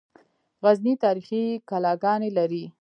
غزني تاریخي کلاګانې لري